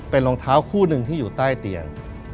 เป็นรองเท้าคู่หนึ่งที่อยู่ใต้เตียง